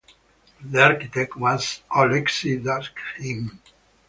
The architect was Alexey Dushkin.